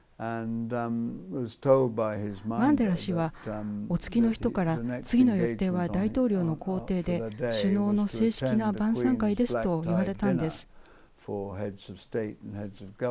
マンデラ氏は、おつきの人から次の予定は大統領の公邸で首脳の正式な晩さん会ですと言われたんです。